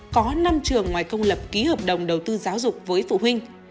có năm trường ngoài công lập ký hợp đồng đầu tư giáo dục với phụ huynh